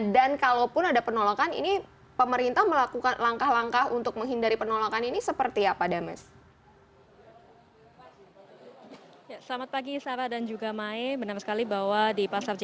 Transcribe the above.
dan kalaupun ada penolakan ini pemerintah melakukan langkah langkah untuk menghindari penolakan ini seperti apa demes